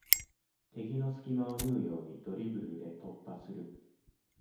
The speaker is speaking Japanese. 敵の隙間を縫うようにドリブルで突破する